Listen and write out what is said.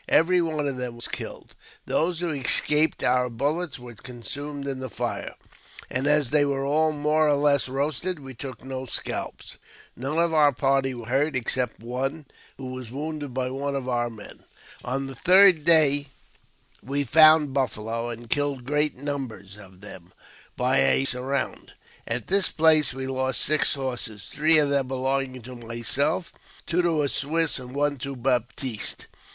Every one of them was killed ; those who escaped our bullets were consumed in the fire ; and as they were all more or less roasted, we took no scalps. None of our party were hurt, except one, who was wounded by one of our men. On the third day we found buffalo, and killed great numbers of them by a " surround." At this place we lost six horses, three of them belonging to myself, two to a Swiss, and one to Baptiste.